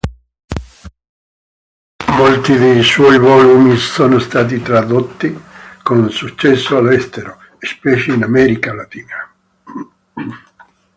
Molti dei suoi volumi sono stati tradotti con successo all'estero, specie in America Latina.